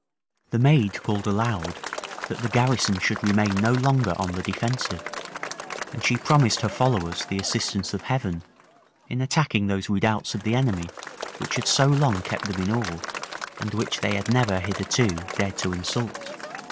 The maid called aloud, that the garrison should remain no longer on the defensive; and she promised her followers the assistance of Heaven in attacking those redoubts of the enemy which had so long kept them in awe, and which they had never hitherto dared to insult.